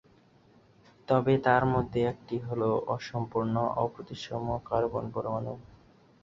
তবে তার মধ্যে একটি হল অসম্পূর্ণ অপ্রতিসম কার্বন পরমাণু।